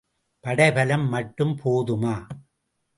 படை பலம் மட்டும் போதுமா?